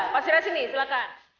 pasirnya sini silahkan